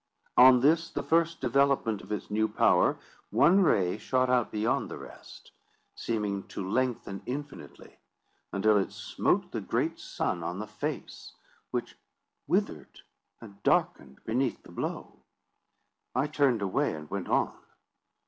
On this, the first development of its new power, one ray shot out beyond the rest, seeming to lengthen infinitely, until it smote the great sun on the face, which withered and darkened beneath the blow. I turned away and went on.